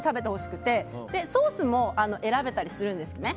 あとはソースも選べたりするんですね。